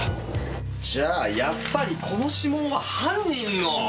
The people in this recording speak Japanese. じゃあやっぱりこの指紋は犯人の！